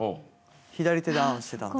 左手でアーンしてたんで・